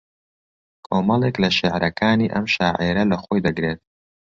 کۆمەڵێک لە شێعرەکانی ئەم شاعێرە لە خۆی دەگرێت